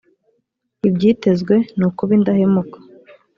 ibyitezwe nukuba indahemuka.